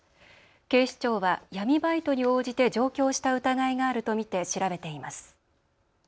警視庁は闇バイトに応じて上京した疑いがあると見て調べています。